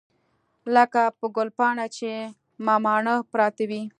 لکه په ګلپاڼه چې مماڼه پرته وي.